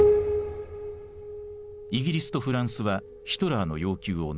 イギリスとフランスはヒトラーの要求をのんだ。